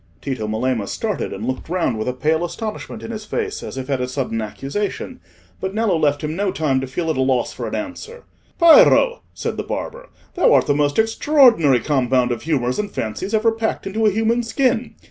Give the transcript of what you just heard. Tito Melema started and looked round with a pale astonishment in his face as if at a sudden accusation; but Nello left him no time to feel at a loss for an answer: "Piero," said the barber, "thou art the most extraordinary compound of humours and fancies ever packed into a human skin.